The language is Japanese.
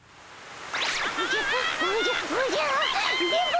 おじゃおじゃおじゃ電ボ！